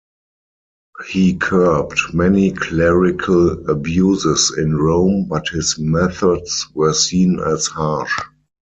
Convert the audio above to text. He curbed many clerical abuses in Rome but his methods were seen as harsh.